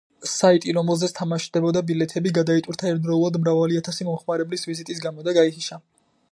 საიტი, რომელზეც თამაშდებოდა ბილეთები, გადაიტვირთა ერთდროულად მრავალი ათასი მომხმარებლის ვიზიტის გამო და გაითიშა.